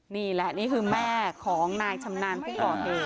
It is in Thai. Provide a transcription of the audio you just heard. นี่แหละนี่คือแม่ของนายชำนาญผู้ก่อเหตุ